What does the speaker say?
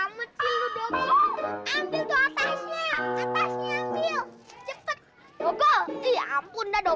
mentik bisa ngajuk mentah aduh payah amat